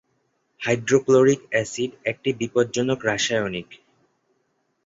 Hydrochloric acid একটি বিপজ্জনক রাসায়নিক।